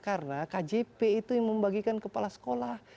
karena kjp itu yang membagikan kepala sekolah